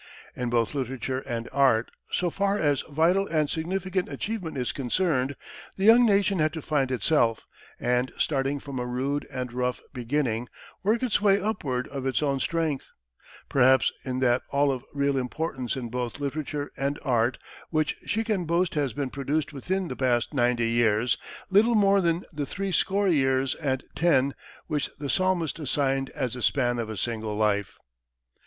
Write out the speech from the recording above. In both literature and art, so far as vital and significant achievement is concerned, the young nation had to find itself, and, starting from a rude and rough beginning, work its way upward of its own strength. Perhaps in no other way may the youth of America be so completely realized as by the thought that all of real importance in both literature and art which she can boast has been produced within the past ninety years little more than the three score years and ten which the Psalmist assigned as the span of a single life.